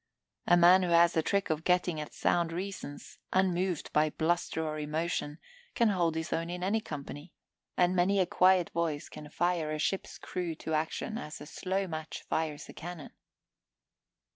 A man who has a trick of getting at sound reasons, unmoved by bluster or emotion, can hold his own in any company; and many a quiet voice can fire a ship's crew to action as a slow match fires a cannon.